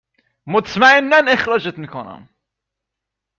!مطمئناً اخراجت می کنم